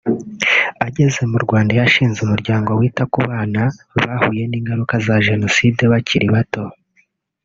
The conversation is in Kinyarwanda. Ageze mu Rwanda yashinze umuryango wita ku bana bahuye n’ingaruka za Jenoside bakiri bato